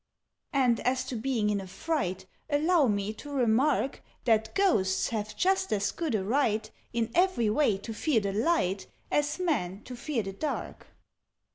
"And as to being in a fright, Allow me to remark That Ghosts have just as good a right, In every way, to fear the light, As Men to fear the dark."